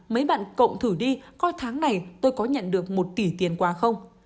mấy bạn cộng thử đi coi tháng này tôi có nhận được một tỷ tiền quà không